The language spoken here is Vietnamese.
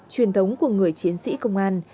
truyền thống của người chiến sĩ công an